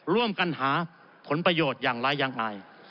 ร่วมกันหาผลประโยชน์อย่างไรยังไง